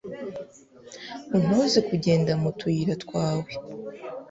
untoze kugenda mu tuyira twawe